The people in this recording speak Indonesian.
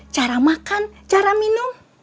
cara makan cara minum